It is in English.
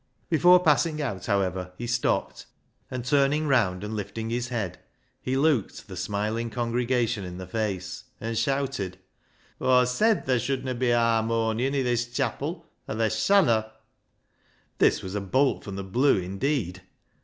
Before passing out, however, he stopped, and turning round and Hfting his head, he looked the smiling congregation in the face, and shouted —" Aw said ther' shouldna be a harmonion i' this chapil, an' ther' shanna." This was a bolt from the blue indeed.